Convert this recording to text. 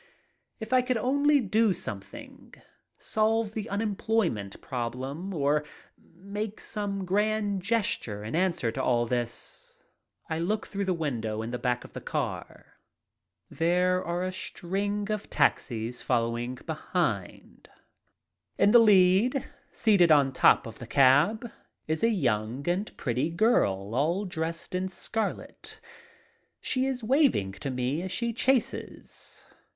If I could only do something. Solve the unemployment problem or make some grand gesture, in answer to all this. I look through the window in the back of the car. There are a string of taxis following behind. In the lead, seated on top of the cab, is a young and pretty girl all dressed in scarlet. She is waving to me as she chases.